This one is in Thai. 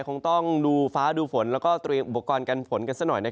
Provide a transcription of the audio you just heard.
คงต้องดูฟ้าดูฝนแล้วก็เตรียมอุปกรณ์กันฝนกันสักหน่อย